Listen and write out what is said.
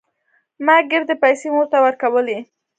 ما ګردې پيسې مور ته ورکولې.